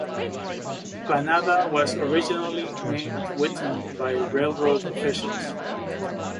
Planada was originally named Whitton by railroad officials.